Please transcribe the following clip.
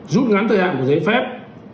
rút ngắn thời hạn của giấy phép